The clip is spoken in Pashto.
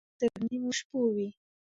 ـ پردى کټ تر نيمو شپو وي.